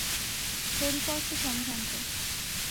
শরিফ অর্থ সম্ভ্রান্ত।